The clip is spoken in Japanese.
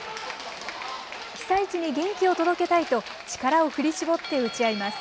被災地に元気を届けたいと、力を振り絞って打ち合います。